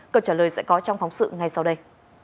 câu trả lời sẽ có trong phóng sự ngay sau đây